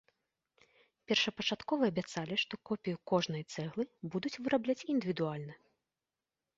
Першапачаткова абяцалі, што копію кожнай цэглы будуць вырабляць індывідуальна.